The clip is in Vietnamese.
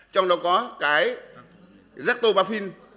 trong đó có cái rác tô bạc phin